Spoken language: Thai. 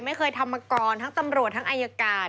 ไม่เคยทำมาก่อนทั้งตำรวจทั้งอายการ